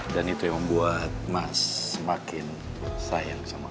dan itu yang membuat mas semakin sayang sama kamu